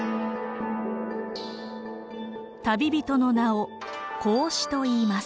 旅人の名を孔子といいます。